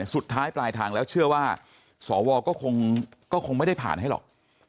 สุดท้ายปลายทางแล้วเชื่อว่าสวก็คงไม่ได้ผ่านให้หรอก